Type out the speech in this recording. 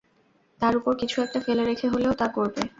তার উপর কিছু একটা ফেলে রেখে হলেও তা করবে।